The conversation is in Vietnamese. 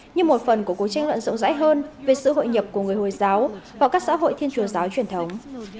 như một phần của cuộc tranh luận rộng rãi hơn về sự hội nhập của người hồi giáo và các xã hội thiên chúa giáo truyền thống